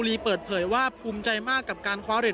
แล้วหนึ่งครั้งวันนี้